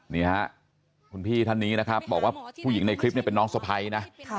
นี่ฮะคุณพี่ท่านนี้นะครับบอกว่าผู้หญิงในคลิปนี้เป็นน้องสะพ้ายนะ